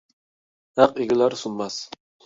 ھەق ئېگىلەر، سۇنماس!